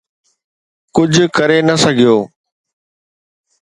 ڪجهه ڪري نه سگهيو.